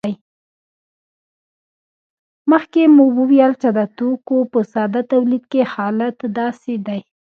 مخکې مو وویل چې د توکو په ساده تولید کې حالت داسې دی